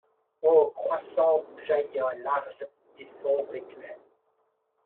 O croissant, d'où jaillit un large et sombre éclair